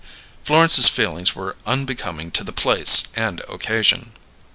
Florence's feelings were unbecoming to the place and occasion.